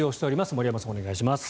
森山さん、お願いします。